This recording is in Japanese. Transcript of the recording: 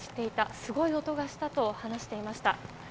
すごい音がしたと話していました。